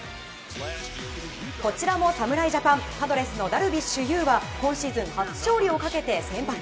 こちらも侍ジャパンパドレスのダルビッシュ有は今シーズン初勝利をかけて先発。